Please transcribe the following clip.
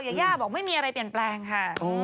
ยาย่าบอกไม่มีอะไรเปลี่ยนแปลงค่ะ